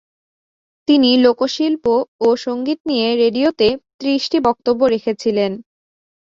তিনি লোকশিল্প ও সংগীত নিয়ে রেডিওতে ত্রিশটি বক্তব্য রেখেছিলেন।